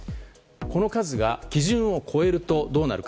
この数が基準を超えるとどうなるか。